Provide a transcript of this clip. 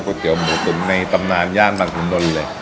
ก๋วเตี๋ยวหมูตุ๋มในตำนานย่างบังคดนเลย